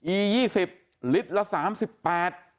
อี๒๐ลิตรละ๓๘บาท